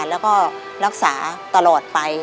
แล้วก็รักษาตลอดไป